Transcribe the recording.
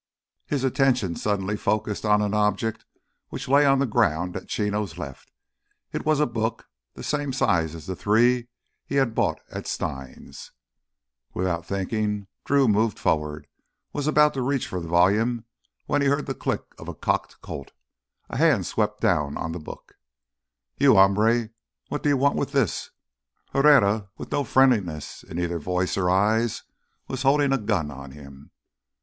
His attention suddenly focused on an object which lay on the ground at Chino's left. It was a book, the same size as the three he had bought at Stein's! Without thinking, Drew moved forward, was about to reach for the volume when he heard the click of a cocked Colt. A hand swept down on the book. "You, hombre—what do you want with this?" Herrera, with no friendliness in either voice or eyes, was holding a gun on him.